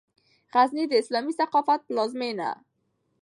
غزني د اسلامي ثقافت پلازمېنه